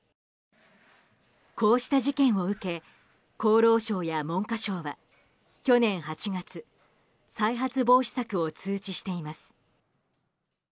こうした事件を受け厚労省や文科省は去年８月、再発防止策を通知しています。